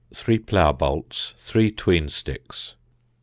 Three plough bolts, three tween sticks.